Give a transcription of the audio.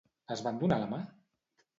Es van donar la mà?